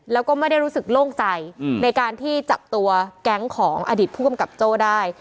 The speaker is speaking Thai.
แล้วก็ไม่ได้รู้สึกโล่งใจในการที่จับตัวแก๊งของอดีตผู้กำกับโจ้ได้